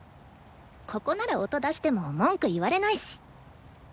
ここなら音出しても文句言われないし。